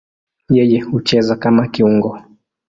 Yeye hucheza kama kiungo.